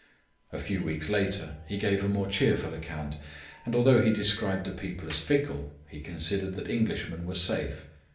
A few weeks later he gave a more cheerful account, and although he described the people as fickle, he considered that Englishmen were safe.